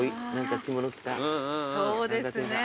そうですね。